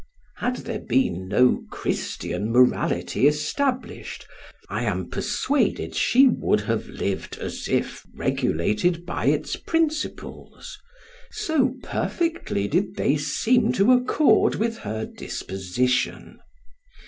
Had there been no Christian morality established, I am persuaded she would have lived as if regulated by its principles, so perfectly did they seem to accord with her disposition.